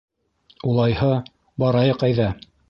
— Улайһа, барайыҡ әйҙә.